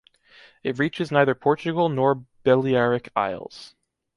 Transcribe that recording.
It reaches neither Portugal nor Balearic Isles.